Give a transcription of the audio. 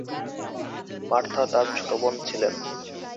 Martha তার ছোট বোন ছিলেন।